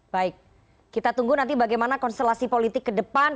baik kita tunggu nanti bagaimana konstelasi politik ke depan